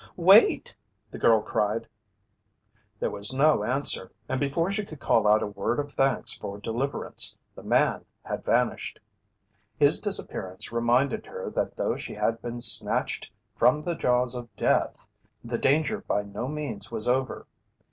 "Wait!" the girl cried. There was no answer, and before she could call out a word of thanks for deliverance, the man had vanished. His disappearance reminded her that though she had been snatched from the jaws of death, the danger by no means was over.